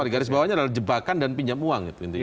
sorry garis bawahnya adalah jebakan dan pinjam uang itu intinya